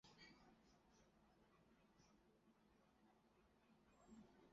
会计期内未售出的库存产品的成本不能计入毛利润的计算公式。